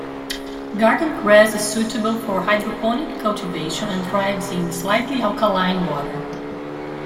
Garden cress is suitable for hydroponic cultivation and thrives in slightly alkaline water.